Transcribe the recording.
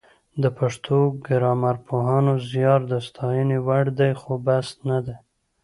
د پښتو ګرامرپوهانو زیار د ستاینې وړ دی خو بس نه دی